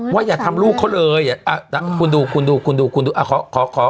ว่าอย่าทำรูปเขาเลยอ่ะอ้าวคุณดูคุณดูคุณดูคุณดูอะ